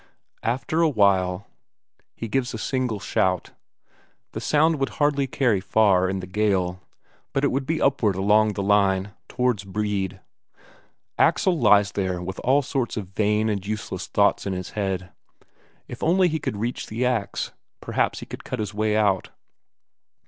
After a long while he gives a single shout. The sound would hardly carry far in the gale, but it would be upward along the line, towards Brede. Axel lies there with all sorts of vain and useless thoughts in his head: if only he could reach the ax, and perhaps cut his way out!